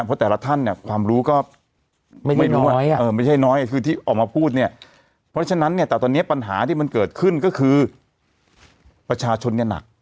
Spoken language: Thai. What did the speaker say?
เพราะแต่ละท่านเนี่ยความรู้ก็ไม่น้อยไม่ใช่น้อยคือที่ออกมาพูดเนี่ยเพราะฉะนั้นเนี่ยแต่ตอนนี้ปัญหาที่มันเกิดขึ้นก็คือประชาชนเนี่ยหนัก